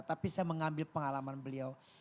tapi saya mengambil pengalaman beliau